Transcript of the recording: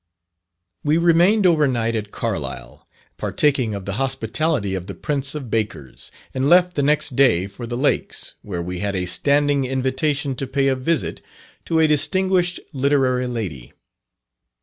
We remained over night at Carlisle, partaking of the hospitality of the prince of bakers, and left the next day for the Lakes, where we had a standing invitation to pay a visit to a distinguished literary lady.